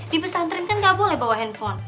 di pesantren kan nggak boleh bawa handphone